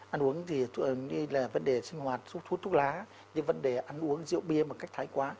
ăn uống thì là vấn đề sinh hoạtốt thuốc lá như vấn đề ăn uống rượu bia một cách thái quá